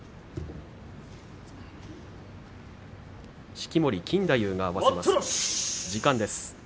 式守錦太夫が合わせます。